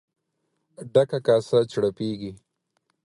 ډکه کاسه چړپېږي.